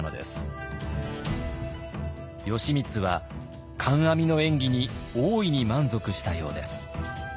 義満は観阿弥の演技に大いに満足したようです。